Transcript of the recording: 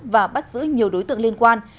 và bắt giữ nhiều đối tượng liên quan